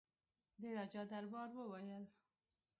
د راجا دربار وویل.